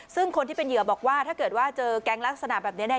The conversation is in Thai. ซึ่งคนที่เป็นเหยื่อบอกว่าถ้าเกิดเก็บแก๊งลักษณะแบบนี้